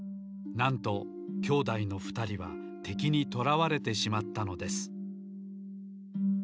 なんと兄弟のふたりはてきにとらわれてしまったのです。